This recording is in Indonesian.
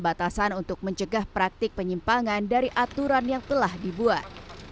batasan untuk mencegah praktik penyimpangan dari aturan yang telah dibuat